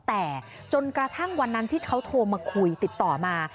แต่จนกระทั่งวันนั้นที่เขาโทรมาคุยติดต่อมา